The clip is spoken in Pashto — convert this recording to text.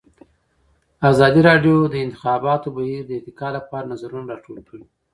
ازادي راډیو د د انتخاباتو بهیر د ارتقا لپاره نظرونه راټول کړي.